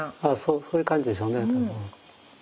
そういう感じでしょうね。